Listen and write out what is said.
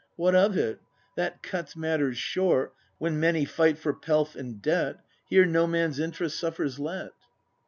] What of it ? That cuts matters short When many fight for pelf and debt. Here no man's interest suffers let.